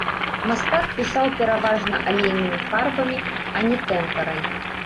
Мастак пісаў пераважна алейнымі фарбамі, а не тэмперай.